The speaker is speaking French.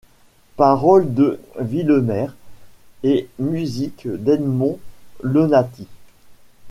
Parole de Villemer et musique d'Edmond Lonati.